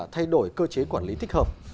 thay đổi cơ chế quản lý thích hợp